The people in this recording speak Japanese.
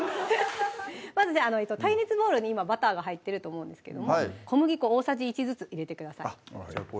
まずじゃあ耐熱ボウルに今バターが入ってると思うんですけども小麦粉大さじ１ずつ入れてください